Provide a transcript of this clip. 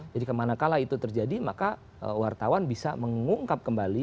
jadi kemana kala itu terjadi maka wartawan bisa mengungkap kembali